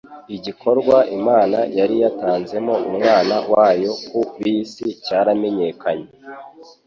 igikorwa Imana yari yatanzemo Umwana wayo ku b'isi cyaramenyekanye.